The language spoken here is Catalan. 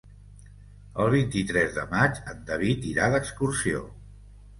El vint-i-tres de maig en David irà d'excursió.